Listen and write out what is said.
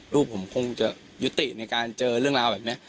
ลูกผมคงจะยุติในการเจอเรื่องราวแบบนี้